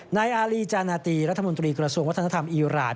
นายอารีจานาตีรัฐมนตรีกระทรวงวัฒนธรรมอีราน